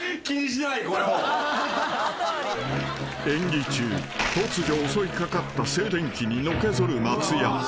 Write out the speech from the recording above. ［演技中突如襲い掛かった静電気にのけぞる松也］